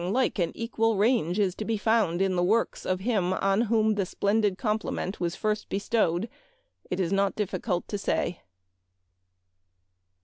like an equal range is to be found in the works of him on whom the splendid compli ment was first bestowed it is not difficult to say."